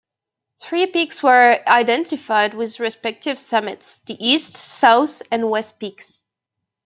Three peaks were identified with respective summits: the East, South, and West peaks.